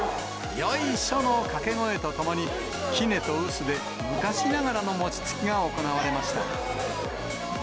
よいしょの掛け声とともに、きねと臼で昔ながらの餅つきが行われました。